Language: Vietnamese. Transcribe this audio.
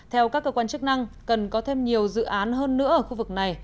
theo các cơ quan chức năng cần có thêm nhiều dự án hơn nữa ở khu vực này